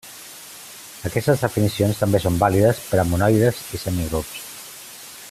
Aquestes definicions també són vàlides per a monoides i semigrups.